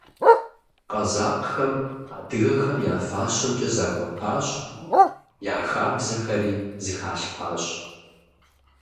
Къэзакъхэм адыгэхэм я фащэмкӀэ захуэпащ, я хабзэхэри зыхалъхьащ.